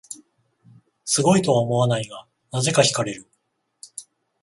すごいとは思わないが、なぜか惹かれる